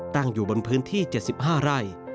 ตั้งอยู่บนพื้นที่๗๕ไร่